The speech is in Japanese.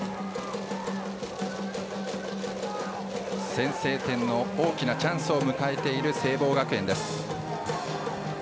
先制点の大きなチャンスを迎えている聖望学園。